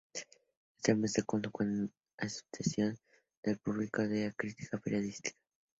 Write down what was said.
Esta muestra contó con unánime aceptación del público y de la crítica periodística.